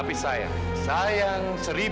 percaya saya di channel ini